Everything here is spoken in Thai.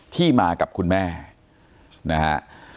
ที่มากับคุณแม่นะฮะ